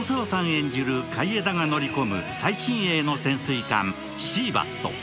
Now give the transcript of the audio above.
演じる海江田が乗り込む最新鋭の潜水艦「シーバット」。